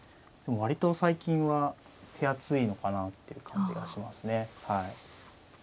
でも割と最近は手厚いのかなっていう感じがしますね。